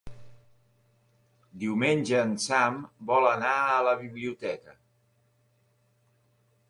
Diumenge en Sam vol anar a la biblioteca.